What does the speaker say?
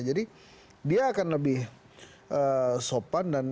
jadi dia akan lebih sopan